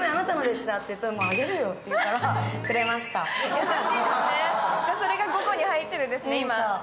優しいですね、じゃあ、それが５個に入ってるんですね、今。